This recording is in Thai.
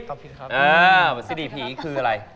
ครับผิดครับเอ้อซีดีผีคืออะไร